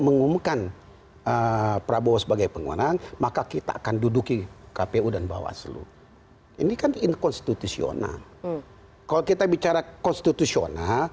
mengumumkan prabowo sebagai pengguna maka kita akan duduk di kpu dan bawah seluruh ini kan in konstitusional